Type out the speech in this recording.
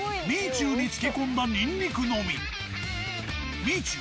酒に漬け込んだニンニクのみ。